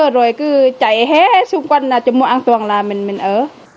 rồi cứ chạy hết xung quanh là cho mùa an toàn là mình ở